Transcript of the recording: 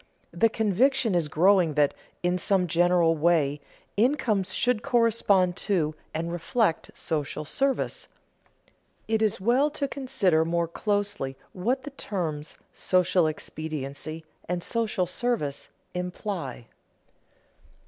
The conviction is growing that, in some general way, incomes should correspond to, and reflect, social service. It is well to consider more closely what the terms social expediency and social service imply.